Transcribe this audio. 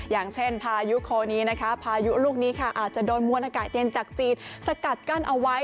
อย่างเช่นพายุโคนี้นะคะพายุลูกนี้ค่ะอาจจะโดนมวลอากาศเย็นจากจีนสกัดกั้นเอาไว้